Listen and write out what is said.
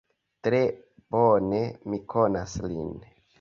Tre bone mi konas lin.